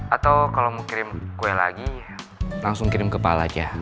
atau kalo mau kirim kue lagi langsung kirim ke paal aja